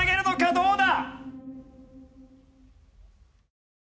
どうだ？